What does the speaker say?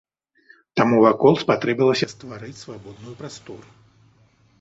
Таму вакол спатрэбілася стварыць свабодную прастору.